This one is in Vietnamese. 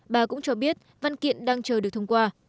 bà cũng cho biết văn kiện đang chờ được thông qua